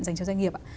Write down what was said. dành cho doanh nghiệp